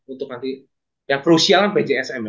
untuk nanti yang crucial kan pj sm ya